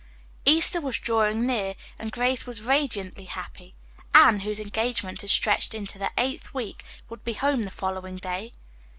Easter was drawing near, and Grace was radiantly happy. Anne, whose engagement had stretched into the eighth week, would be home the following day.